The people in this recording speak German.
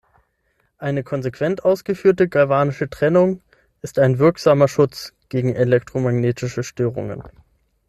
Eine konsequent ausgeführte galvanische Trennung ist ein wirksamer Schutz gegen elektromagnetische Störungen.